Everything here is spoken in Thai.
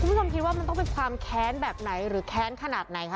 คุณผู้ชมคิดว่ามันต้องเป็นความแค้นแบบไหนหรือแค้นขนาดไหนคะ